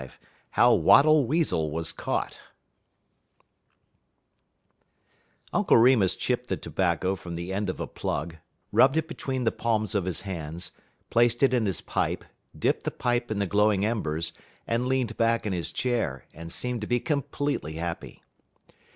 LV HOW WATTLE WEASEL WAS CAUGHT Uncle Remus chipped the tobacco from the end of a plug, rubbed it between the palms of his hands, placed it in his pipe, dipped the pipe in the glowing embers, and leaned back in his chair, and seemed to be completely happy.